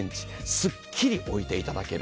すっきり置いていただける。